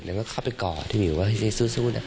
แล้วเข้าไปก่อพี่หมิวเขาแจ่งวี่สู้นะคะ